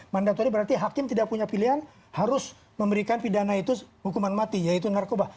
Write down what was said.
mandatori berarti hakim tidak punya pilihan harus memberikan pidana itu hukuman mati yaitu narkoba